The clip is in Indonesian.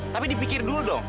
tapi dipikir dulu dong